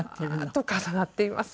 ワーッと重なっています。